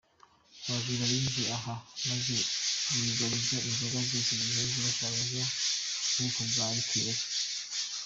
Abajura binjiye aha maze bigabiza inzoga zose zihenze bashakaga zo mu bwoko bwa “liqueur”.